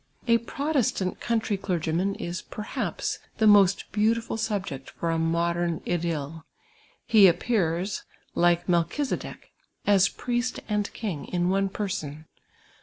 A Protestant countiy clerg}Tnan is, perhaps, the most beau tiful subject for a modem idyl ; he appears, like Melchizedek, as priest and king in one person.